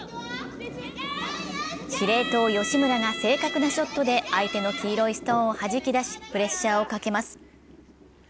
司令塔・吉村が正確なショットで相手の黄色いストーンをはじき出し、プレッシャーをかけます。